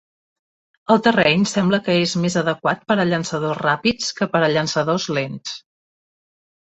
El terreny sembla que és més adequat per a llançadors ràpids que per a llançadors lents.